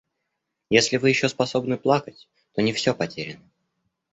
Если Вы еще способны плакать, то не все потеряно.